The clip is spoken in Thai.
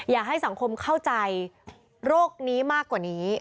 อยากให้สังคมเข้าใจโรคนี้มากกว่านี้